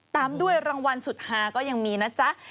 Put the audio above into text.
ตามด้วยรางวัลสุดฮาก็ยังมีนะจ๊ะ